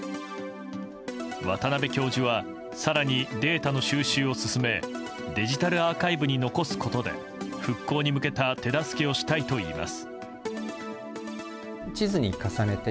渡邉教授は更にデータの収集を進めデジタルアーカイブに残すことで復興に向けた手助けをしたいといいます。